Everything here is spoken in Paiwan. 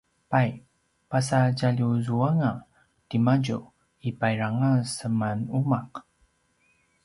pay pasatjaljuzuanga timadju i payrang a semanuma’